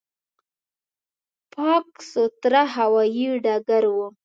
پاک، سوتره هوایي ډګر و.